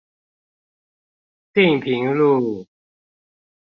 碇坪路